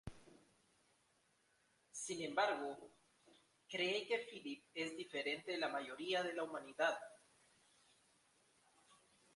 Sin embargo, cree que Philip es diferente de la mayoría de la humanidad.